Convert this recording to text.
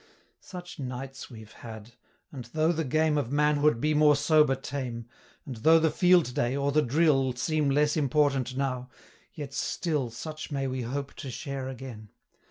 Such nights we've had; and, though the game Of manhood be more sober tame, And though the field day, or the drill, 210 Seem less important now yet still Such may we hope to share again.